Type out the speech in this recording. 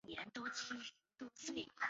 拆除破坏警方架设之拒马